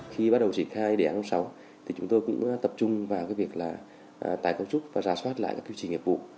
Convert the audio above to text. khi bắt đầu triển khai đề án hôm sáu chúng tôi cũng tập trung vào việc tài công trúc và rà soát lại các quy trình hiệp vụ